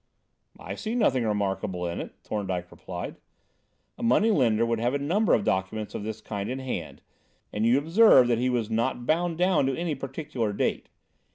"I see nothing remarkable in it," Thorndyke replied. "A moneylender would have a number of documents of this kind in hand, and you observe that he was not bound down to any particular date.